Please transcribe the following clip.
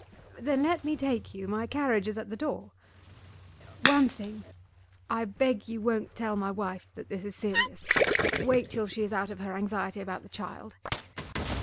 Then let me take you. My carriage is at the door.' 'One thing I beg you won't tell my wife that this is serious. Wait till she is out of her anxiety about the child.